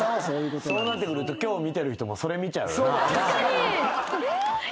そうなってくると今日見てる人もそれ見ちゃうよな。